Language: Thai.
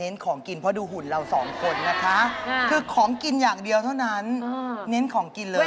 แม่งร้อนเต้นบันเทิงเดียวในขนาดนี้